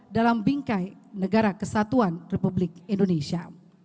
dalam bingkai negara kesatuan republik indonesia